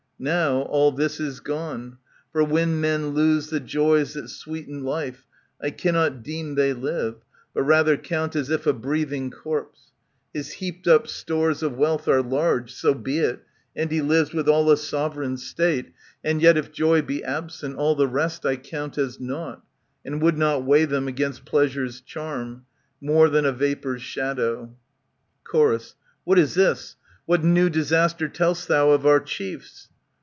Now, all this is gone ; For when men lose the joys that sweeten life, I cannot deem they live, but rather count As if a breathing corpse/ His heaped up stores Of wealth are large, so he it, and he lives With all a sovereign's state ; and yet, if joy Be absent, all the rest I count as nought, And would not weigh them against pleasure's charm, ^^^^ More than a vapour's shadow. CSor, What is this ? What new disaster tell'st thou of our chiefs